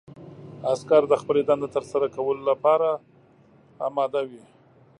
عسکر د خپلې دندې ترسره کولو لپاره اماده وي.